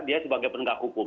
dia sebagai penegak hukum